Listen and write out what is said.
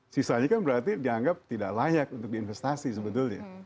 sisanya kan berarti dianggap tidak layak untuk diinvestasi sebetulnya